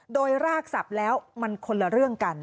โดยรากสับแล้วมันคนละเรื่องกัน